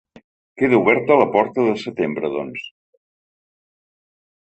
Queda oberta la porta de setembre, doncs.